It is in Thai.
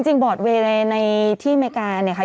จริงบอร์ดเวย์ในที่อเมริกา